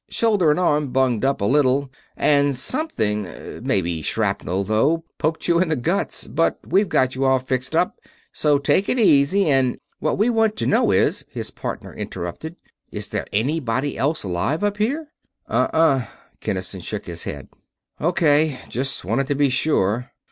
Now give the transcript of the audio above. Shoulder and arm bunged up a little and something maybe shrapnel, though poked you in the guts. But we've got you all fixed up, so take it easy and...." "What we want to know is," his partner interrupted, "Is there anybody else alive up here?" "Uh huh," Kinnison shook his head. "O.K. Just wanted to be sure.